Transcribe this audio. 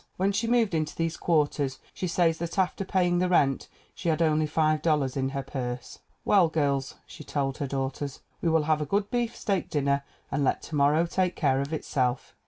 When she moved into these quarters she says that after paying the rent she had only $5 in her purse. "Well, girls," she told her daughters, "we will have a good beefsteak dinner and let to morrow take care of itself."